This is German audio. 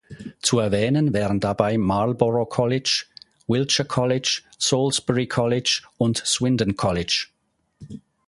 Zu erwähnen wären dabei Marlborough College, Wiltshire College, Salisbury College und Swindon College.